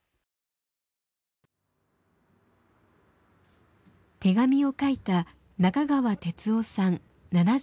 手紙を書いた中川哲夫さん７３歳。